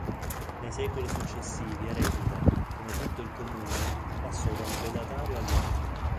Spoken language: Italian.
Nei secoli successivi Eredita, come tutto il comune, passò da un feudatario all'altro.